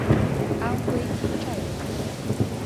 安徽金寨人。